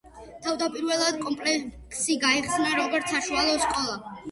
თავდაპირველად კომპლექსი გაიხსნა როგორც საშუალო სკოლა.